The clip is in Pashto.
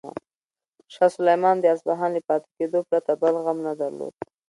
شاه سلیمان د اصفهان له پاتې کېدو پرته بل غم نه درلود.